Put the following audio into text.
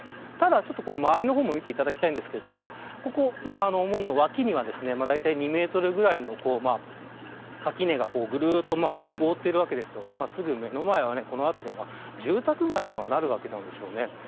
ただ、周りを見ていただきたいんですが門の脇には大体２メートルぐらいの垣根がぐるっと覆っているわけですよ。すぐ目の前は住宅街になるわけなんですよね。